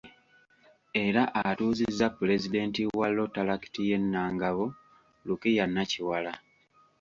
Era atuuzizza Pulezidenti wa Rotaract ye Nangabo, Lukiya Nakiwala.